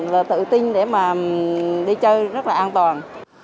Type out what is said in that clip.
và tự tin để mà đi chơi rất là an toàn